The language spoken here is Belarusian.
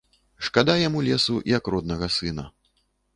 Шкада яму лесу, як роднага сына.